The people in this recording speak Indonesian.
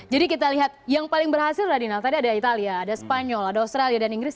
jadi kita lihat yang paling berhasil radinal tadi ada italia ada spanyol ada australia dan inggris